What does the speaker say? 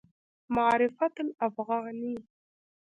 معرفت الافغاني